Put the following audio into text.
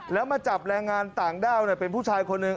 แล้วมาจับแรงงานต่างด้าวเป็นผู้ชายคนหนึ่ง